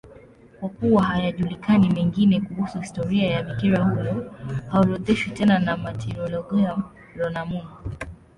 Kwa kuwa hayajulikani mengine kuhusu historia ya bikira huyo, haorodheshwi tena na Martyrologium Romanum.